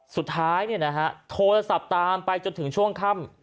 สุดท้ายเนี่ยนะฮะโทรโทรศัพท์ตามไปจนถึงช่วงค่ำ